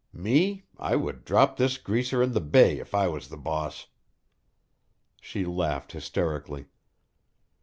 Me, I would drop this greaser in the bay if I was the boss." She laughed hysterically.